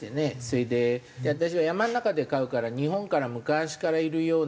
それで私は山の中で飼うから日本から昔からいるようなねえ。